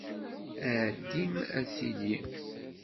Ɛeddim ar tili!